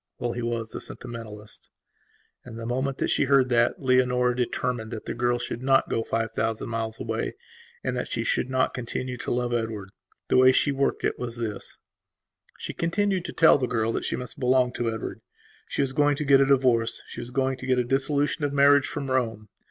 Well, he was a sentimentalist. And the moment that she heard that, Leonora determined that the girl should not go five thousand miles away and that she should not continue to love Edward. The way she worked it was this: She continued to tell the girl that she must belong to Edward; she was going to get a divorce; she was going to get a dissolution of marriage from Rome.